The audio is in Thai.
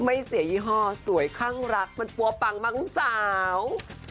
ไม่เสียยี่ห้อสวยข้างรักมันปั๊วปังมากลูกสาว